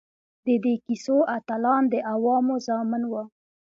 د دې کیسو اتلان د عوامو زامن وو.